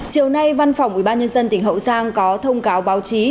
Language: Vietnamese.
chiều nay văn phòng ubnd tỉnh hậu giang có thông cáo báo chí